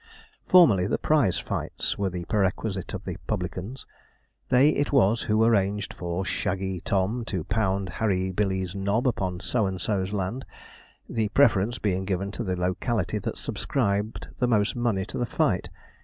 Formerly the prize fights were the perquisite of the publicans. They it was who arranged for Shaggy Tom to pound Harry Billy's nob upon So and so's land, the preference being given to the locality that subscribed the most money to the fight.